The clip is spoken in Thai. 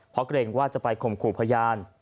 เพราะเกรงว่าจะไปข่มขู่พยาน